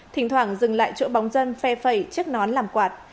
thỉnh thoảng dừng lại chỗ bóng dân phe phẩy chất nón làm quạt